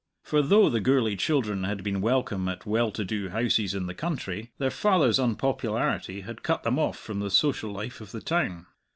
For though the Gourlay children had been welcome at well to do houses in the country, their father's unpopularity had cut them off from the social life of the town.